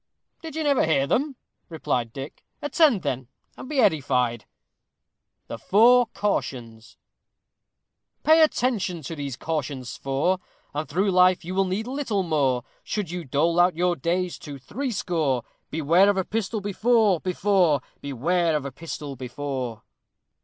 "Did you never hear them?" replied Dick. "Attend, then, and be edified." THE FOUR CAUTIONS Pay attention to these cautions four, And through life you will need little more, Should you dole out your days to threescore Beware of a pistol before! Before! before! Beware of a pistol before!